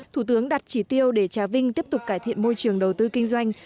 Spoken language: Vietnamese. thủ tướng đặt chỉ tiêu để trà vinh tiếp tục cải thiện môi trường đầu tư kinh doanh